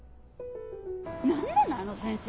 何なのあの先生！